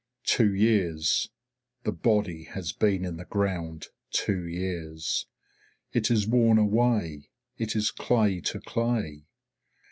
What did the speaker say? Two years! The body has been in the ground two years. It is worn away; it is clay to clay.